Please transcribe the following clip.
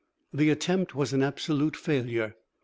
The attempt was an absolute failure.